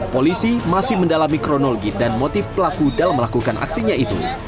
polisi masih mendalami kronologi dan motif pelaku dalam melakukan aksinya itu